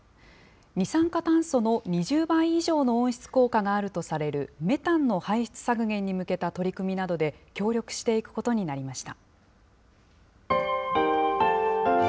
二酸化炭素の２０倍以上の温室効果があるとされるメタンの排出削減に向けた取り組みなどで、協力していくことになりました。